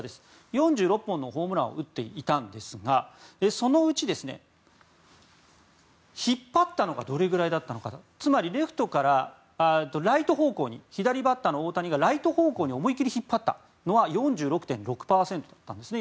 ４６本のホームランを打っていたんですがそのうち引っ張ったのがどれくらいだったのかつまり、ライト方向に左バッターの大谷がライト方向に思い切り引っ張ったのは４６．６％だったんですね。